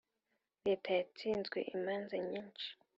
Leta yatsinzwe imanza nyinshi